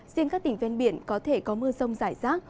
riêng các tỉnh ven biển có thể có mưa rông rải rác